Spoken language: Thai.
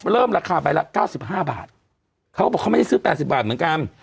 เริ่มราคาไปละเก้าสิบห้าบาทเขาบอกเขาไม่ได้ซื้อแปดสิบบาทเหมือนกัน